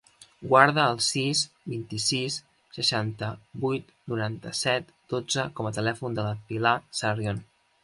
Guarda el sis, vint-i-sis, seixanta-vuit, noranta-set, dotze com a telèfon de la Pilar Sarrion.